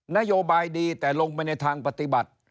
นโยบายดีแต่ลงไปในทางปฏิบัติ